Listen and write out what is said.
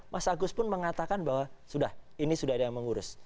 mas agus pun mengatakan bahwa sudah ini sudah ada yang mengurus